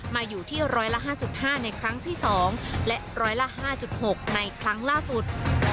มาอยู่ที่๑๐๕๕ในครั้งที่๒และ๑๐๕๖ในครั้งล่าสุด